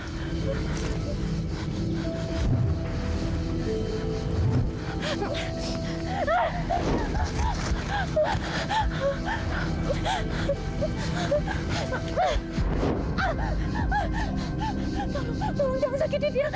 sampai jumpa di video selanjutnya